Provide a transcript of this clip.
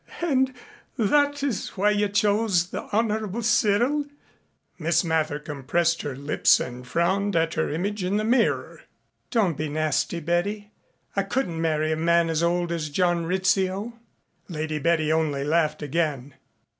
"And that is why you chose the Honorable Cyril?" Miss Mather compressed her lips and frowned at her image in the mirror. "Don't be nasty, Betty. I couldn't marry a man as old as John Rizzio." Lady Betty only laughed again.